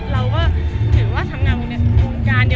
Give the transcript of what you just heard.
เราจะติดหัวไปคุยกัน